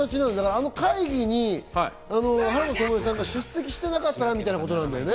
あの会議に原田知世さんが出席してなかったらみたいなことなんだよね？